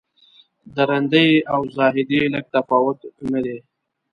د رندۍ او زاهدۍ لږ تفاوت نه دی.